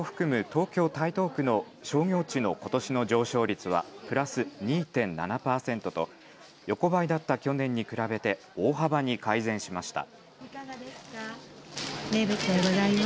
東京台東区の商業地のことしの上昇率はプラス２．７％と横ばいだった去年に比べて大幅に改善しました。